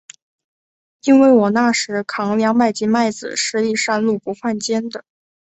因为我那时候，扛两百斤麦子，十里山路不换肩的。